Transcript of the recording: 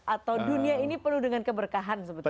atau dunia ini penuh dengan keberkahan sebetulnya